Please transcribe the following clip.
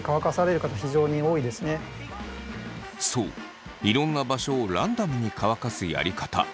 そういろんな場所をランダムに乾かすやり方。